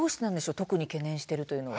特に懸念しているというのは？